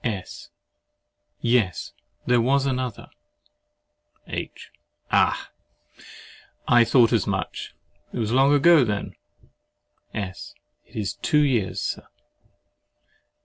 S. Yes, there was another. H. Ah! I thought as much. Is it long ago then? S. It is two years, Sir.